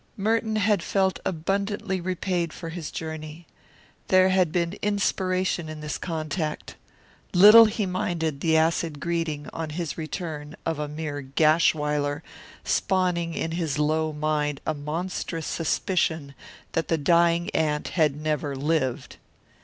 Merton had felt abundantly repaid for his journey. There had been inspiration in this contact. Little he minded the acid greeting, on his return, of a mere Gashwiler, spawning in his low mind a monstrous suspicion that the dying aunt had never lived.